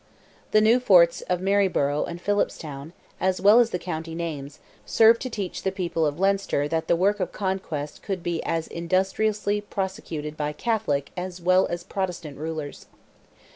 The new forts of Maryborough and Philipstown, as well as the county names, served to teach the people of Leinster that the work of conquest could be as industriously prosecuted by Catholic as by Protestant rulers.